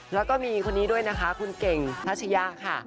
แล้วก็มีคนนี้ด้วยนะคะคุณเก่งทัชยะค่ะ